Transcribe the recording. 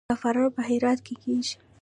زعفران په هرات کې کیږي